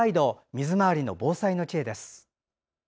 水周りの防災の知恵です。